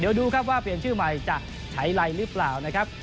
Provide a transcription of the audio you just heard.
เดี๋ยวดูครับว่าเปลี่ยนชื่อใหม่จะใช้ไรหรือเปล่านะครับ